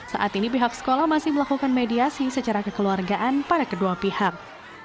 saat ini pihak sekolah masih melakukan mediasi secara kekeluargaan pada kedua pihak